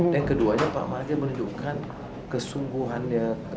dan keduanya pak mahathir menunjukkan kesungguhannya